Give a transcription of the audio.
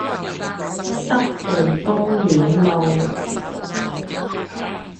濕地公園路